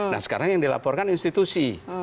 nah sekarang yang dilaporkan institusi